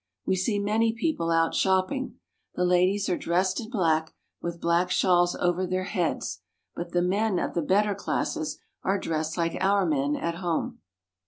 We see many people out shopping. The ladies are dressed in black, with black shawls over their heads, but the men of the better classes are dressed like our men at home.